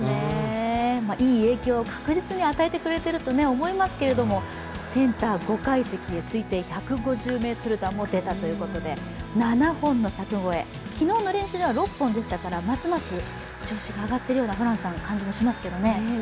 いい影響を確実に与えてくれていると思いますけども、センター、５階スタンドへ推定１５０ｍ弾も出たということで７本の柵越え、昨日の練習では６本でしたので、ますます調子が上がっているような感じもしますけどね。